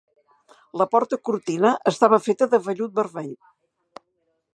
La porta-cortina estava feta de vellut vermell.